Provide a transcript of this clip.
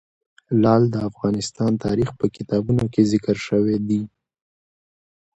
لعل د افغان تاریخ په کتابونو کې ذکر شوی دي.